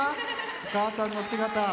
お母さんの姿。